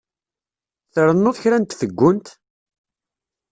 Trennuḍ kra n tfeggunt?